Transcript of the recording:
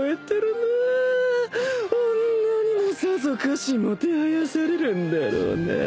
女にもさぞかしもてはやされるんだろうなぁ。